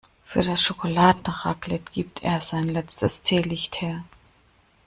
Für das Schokoladenraclette gibt er sein letztes Teelicht her.